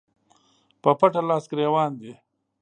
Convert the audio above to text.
په پټه لاس ګرېوان دي